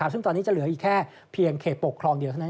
ซึ่งตอนนี้จะเหลืออีกแค่เพียงเขตปกครองเดียวเท่านั้น